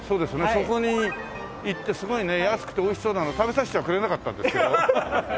そこに行ってすごいね安くて美味しそうなの食べさせてはくれなかったんですけど。